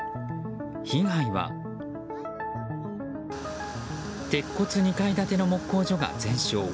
被害は鉄骨２階建ての木工所が全焼。